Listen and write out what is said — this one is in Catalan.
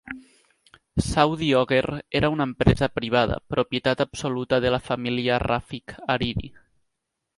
Saudi Oger era una empresa privada, propietat absoluta de la família Rafik Hariri.